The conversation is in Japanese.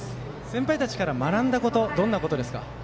先輩たちから学んだことはどんなことですか？